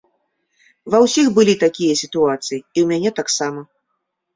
Ва ўсіх былі такія сітуацыі, і у мяне таксама.